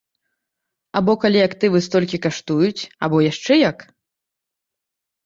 Або калі актывы столькі каштуюць, або яшчэ як?